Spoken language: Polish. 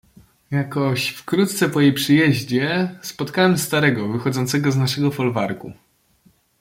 "Jakoś wkrótce po jej przyjeździe, spotkałem starego, wychodzącego z naszego folwarku."